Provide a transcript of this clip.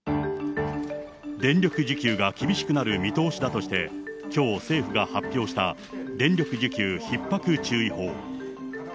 電力需給が厳しくなる見通しだとして、きょう、政府が発表した電力需給ひっ迫注意報。